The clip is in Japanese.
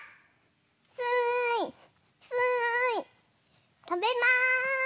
すいすいとべます。